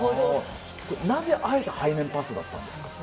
なぜ、あえて背面パスだったんですか？